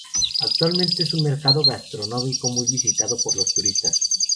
Actualmente es un mercado gastronómico, muy visitado por los turistas.